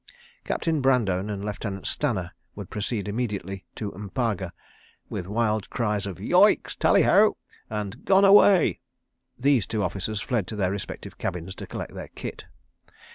Captain Brandone and Lieutenant Stanner would proceed immediately to M'paga, and with wild cries of "Yoicks! Tally Ho!" and "Gone away!" those two officers fled to their respective cabins to collect their kit.